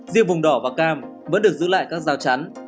riêng vùng đỏ và cam vẫn được giữ lại các rào chắn